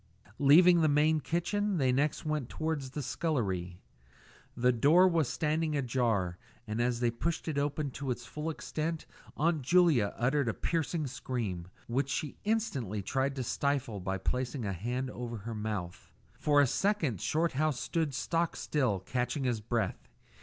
Leaving the main kitchen, they next went towards the scullery. The door was standing ajar, and as they pushed it open to its full extent Aunt Julia uttered a piercing scream, which she instantly tried to stifle by placing her hand over her mouth. For a second Shorthouse stood stock still, catching his breath.